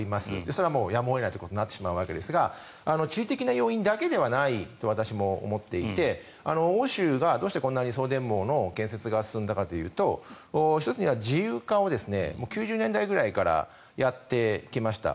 それはやむを得ないということになってしまうんですが地理的な要因だけではないと思っていて欧州がどうしてこんなに送電網の建設が進んだかというと１つには自由化を９０年代ぐらいからやってきました。